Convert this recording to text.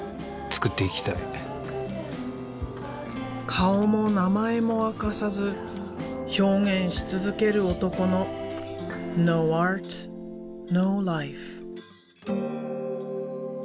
顔も名前も明かさず表現し続ける男のｎｏａｒｔ，ｎｏｌｉｆｅ。